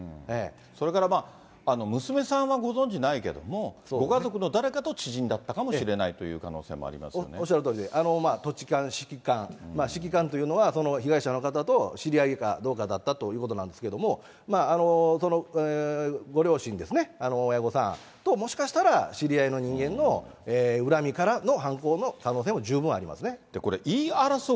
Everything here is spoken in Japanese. それから、娘さんはご存じないけれども、ご家族の誰かと知人だったかもしれないという可能性もありますよおっしゃるとおりで、土地勘、しき勘、しき勘というのは、その被害者の方と知り合いかどうかだったということなんですけど、ご両親ですね、親御さんともしかしたら知り合いの人間の恨みからの犯行の可能性これ、言い争う